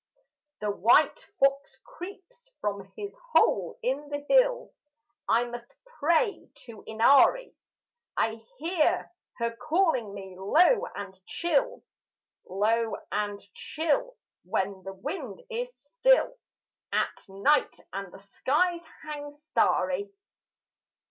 The white fox creeps from his hole in the hill; I must pray to Inari. I hear her calling me low and chill Low and chill when the wind is still At night and the skies hang starry.